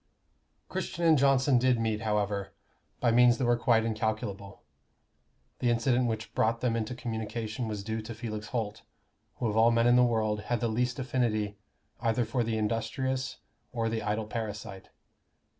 _ Christian and Johnson did meet, however, by means that were quite incalculable. The incident which brought them into communication was due to Felix Holt, who of all men in the world had the least affinity either for the industrious or the idle parasite.